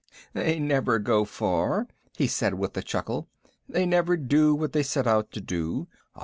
"They never go far," he said with a chuckle. "They never do what they set out to do.